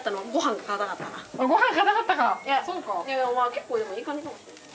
結構でもいい感じかもしれない。